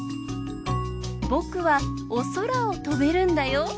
僕はお空を飛べるんだよ